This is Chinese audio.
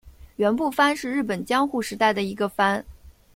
园部藩是日本江户时代的一个藩。